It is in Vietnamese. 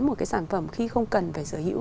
một cái sản phẩm khi không cần phải sở hữu